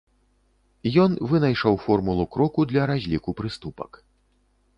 Ён вынайшаў формулу кроку для разліку прыступак.